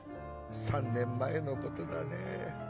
３年前のことだねぇ。